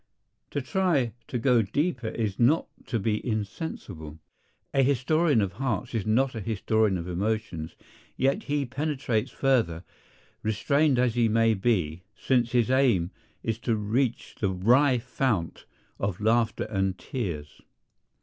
To try to go deeper is not to be insensible. A historian of hearts is not a historian of emotions, yet he penetrates further, restrained as he may be, since his aim is to reach the wry fount of laughter and tears.